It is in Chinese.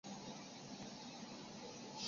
羚角密刺蟹为蜘蛛蟹科密刺蟹属的动物。